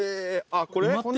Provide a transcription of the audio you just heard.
あっこれ？